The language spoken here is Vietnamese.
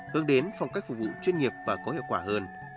hướng đến phong cách phục vụ chuyên nghiệp và có hiệu quả hơn